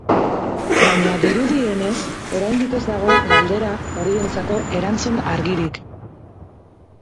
Baina, dirudienez, oraindik ez dago galdera horientzako erantzun argirik.